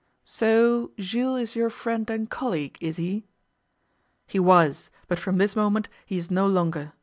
'So Jules is your friend and colleague, is he?' 'He was, but from this moment he is no longer.